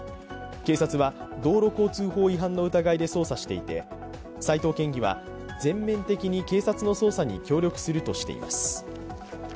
警察は道路交通法違反の疑いで捜査していて斉藤県議は全面的に警察の捜査に協力するとしています。